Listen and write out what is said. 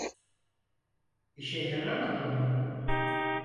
İşe yaramadı mı?